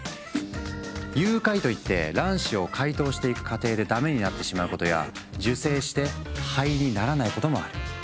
融解といって卵子を解凍していく過程でダメになってしまうことや受精して胚にならないこともある。